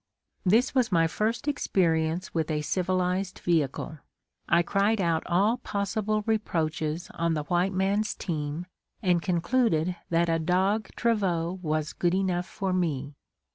This was my first experience with a civilized vehicle. I cried out all possible reproaches on the white man's team and concluded that a dog travaux was good enough for me.